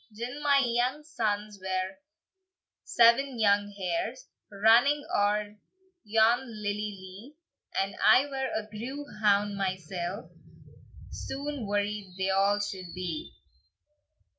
"Gin my young sons were seven young hares, Running oer yon lilly lee, And I were a grew hound mysell, Soon worried they a' should be."